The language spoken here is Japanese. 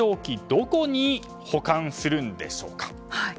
どこに保管するんでしょうか。